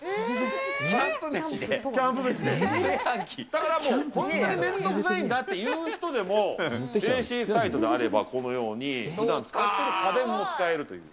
だからもう本当に面倒くさいという人でも、ＡＣサイトがあれば、このようにふだん使ってる家電も使えるという。